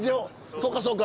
そうかそうか。